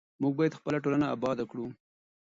موږ باید خپله ټولنه اباده کړو.